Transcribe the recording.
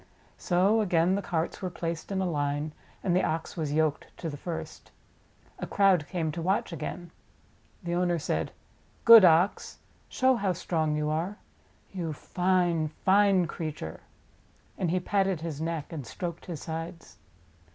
So again the carts were placed in a line, and the Ox was yoked to the first. A crowd came to watch again. The owner said: "Good Ox, show how strong you 23 JATAKA TALES A garland of flowers about his neck. are! You fine, fine creature!" And he patted his neck and stroked his sides.